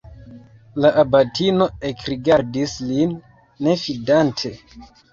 La abatino ekrigardis lin, ne fidante.